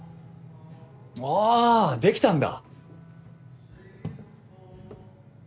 ああ出来たんだ！